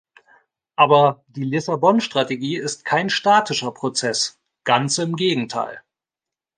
Aber die Lissabon-Strategie ist kein statischer Prozess, ganz im Gegenteil.